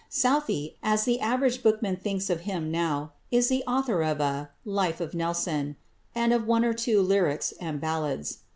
Southey, as the average bookman thinks of him now, is the author of a "Life of Nelson" and of one or two lyrics and ballads.